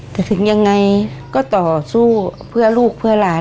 แต่ถึงยังไงก็ต่อสู้เพื่อลูกเพื่อหลาน